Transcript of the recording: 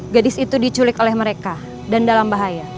gadis itu diculik oleh mereka dan dalam bahaya